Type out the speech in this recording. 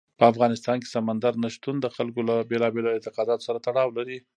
په افغانستان کې سمندر نه شتون د خلکو له بېلابېلو اعتقاداتو سره تړاو لري.